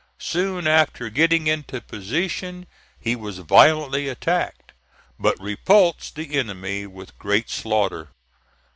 Soon after getting into position he was violently attacked, but repulsed the enemy with great slaughter.